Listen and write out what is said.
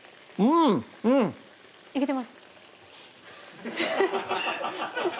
うんいけてます？